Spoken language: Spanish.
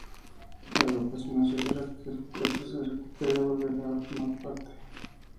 La agrupación asegura que en cuanto se recupere volverá a formar parte.